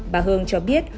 bà hương cho biết